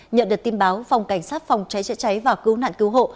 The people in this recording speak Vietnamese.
nhận được tin báo phòng cảnh sát phòng cháy chữa cháy và cứu nạn cứu hộ